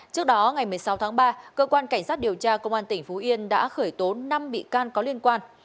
trước đó ngày một mươi sáu tháng ba cơ quan cảnh sát điều tra công an tỉnh phú yên đã khởi tố năm bị can có liên quan